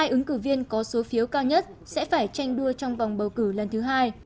hai ứng cử viên có số phiếu cao nhất sẽ phải tranh đua trong vòng bầu cử lần thứ hai